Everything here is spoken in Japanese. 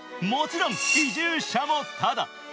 もちろん移住者もタダ。